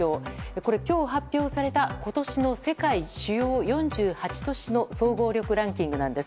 これ、今日発表された今年の世界主要４８都市の総合旅行ランキングなんです。